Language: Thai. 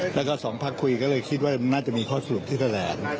แล้วก็สองพักคุยก็เลยคิดว่าน่าจะมีข้อสรุปที่แถลง